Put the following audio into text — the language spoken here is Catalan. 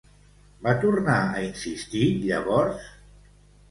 Va tornar a insistir llavors?